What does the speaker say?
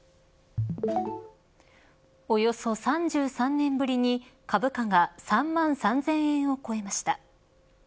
およそ３３年ぶりに株価が３万３０００円を超えました。